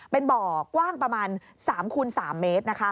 เป็นบ่อกว้างประมาณ๓คูณ๓เมตร